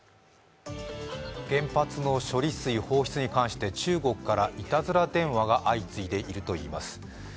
原発の処理水放出に関して中国からいたずら電話が相次いでいるといいます。